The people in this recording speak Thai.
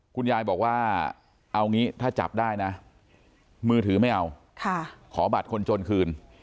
คุณยายบอกว่าเอางี้ถ้าจับได้นะมือถือไม่เอาขอบัตรคนจนคืน